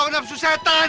kau nafsu setan